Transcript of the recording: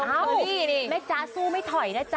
เอาไม่จ๊ะสู้ไม่ถอยนะจ๊ะ